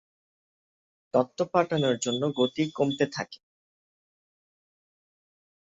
তথ্য পাঠানোর গতি কমতে থাকে।